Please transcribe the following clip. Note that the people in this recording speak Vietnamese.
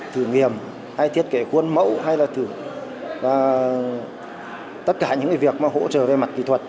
thử nghiệm hay thiết kế khuôn mẫu hay là tất cả những việc hỗ trợ về mặt kỹ thuật